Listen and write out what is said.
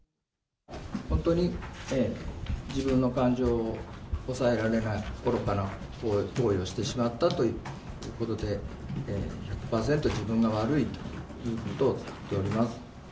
本当に自分の感情を抑えられない、愚かな行為をしてしまったということで、１００％自分が悪いということを言っております。